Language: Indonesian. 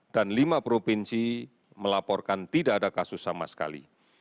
dan lima provinsi melaporkan tidak ada kasus sama sekali